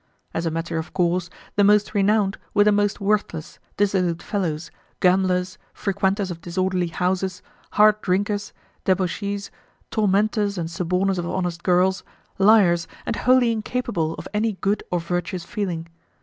As a matter of course, the most renowned were the most worthless, dissolute fellows, gamblers, frequenters of disorderly houses, hard drinkers, debauchees, tormentors and suborners of honest girls, liars, and wholly incapable of any good or virtuous feeling.